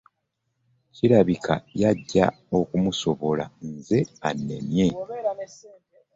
Kirabika y'ajja okumusobola nze annemye.